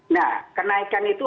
nah kenaikan itu